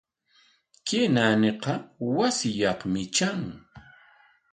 Kay naaniqa wasinyaqmi tran.